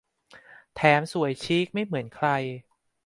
แถมสวยชิคไม่เหมือนใคร